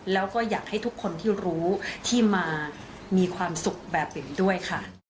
แล้วก็อยากให้ทุกคนที่รู้ที่มามีความสุขแบบนี้ด้วยค่ะ